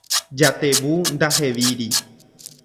Jatevu ndahevíri.